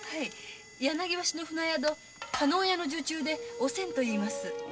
柳橋の舟宿・叶屋の女中でおせんといいます。